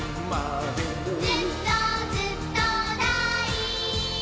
「ずっとずっとだいすき」